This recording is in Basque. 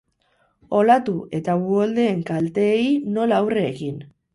Olatu eta uholdeen kalteei nola aurre egin.